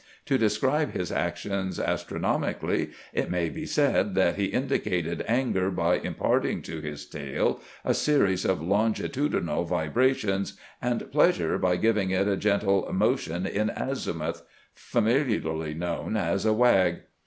To describe his actions astronomically, it may be said that he indicated anger by imparting to his tail a series of longitudinal vibrations, and pleasure by giving it a gentle "motion in azimuth" — familiarly known as a wag.